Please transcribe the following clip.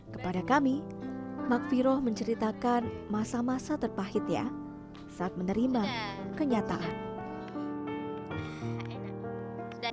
kepada kami makfiroh menceritakan masa masa terpahitnya saat menerima kenyataan